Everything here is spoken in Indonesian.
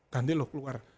ganti lo keluar